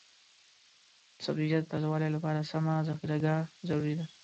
د سبزیجاتو تازه والي لپاره سمه ذخیره ګاه ضروري ده.